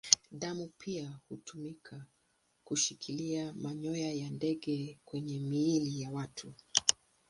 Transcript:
Damu pia hutumika kushikilia manyoya ya ndege kwenye miili ya watu.